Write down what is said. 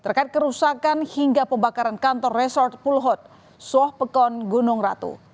terkait kerusakan hingga pembakaran kantor resort pulhut soh pekon gunung ratu